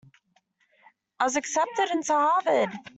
I was accepted into Harvard!